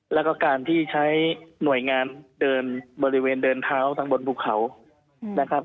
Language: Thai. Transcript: แล้วก็การที่ใช้หน่วยงานเดินบริเวณเดินเท้าทั้งบนภูเขานะครับ